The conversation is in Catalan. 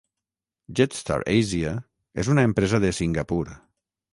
Jetstar Asia és una empresa de Singapur.